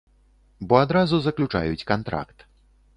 Бо адразу заключаюць кантракт.